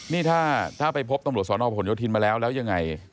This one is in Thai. นี่ถ้าไปพบตำรวจสนพลโยธินมาแล้วแล้วยังไง